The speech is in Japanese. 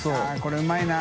海うまいな。